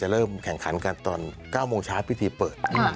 เริ่มแข่งขันกันตอน๙โมงเช้าพิธีเปิด